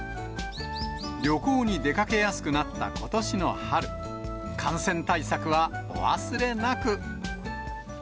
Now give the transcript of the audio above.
旅行に出かけやすくなったことしの春、感染対策はお忘れなく。